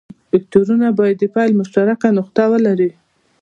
وکتورونه باید د پیل مشترکه نقطه ولري.